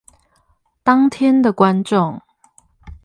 當天的觀眾